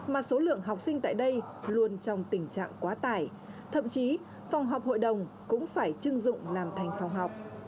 mà số lượng học sinh tại đây luôn trong tình trạng quá tải thậm chí phòng họp hội đồng cũng phải chưng dụng làm thành phòng học